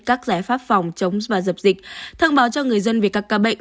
các giải pháp phòng chống và dập dịch thông báo cho người dân về các ca bệnh